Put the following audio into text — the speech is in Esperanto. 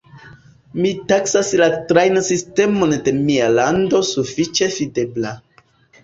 Mi taksas la trajnsistemon de mia lando sufiĉe fidebla.